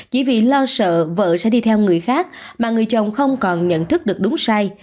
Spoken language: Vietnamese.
chỉ vì lo sợ vợ sẽ đi theo người khác mà người chồng không còn nhận thức được đúng sai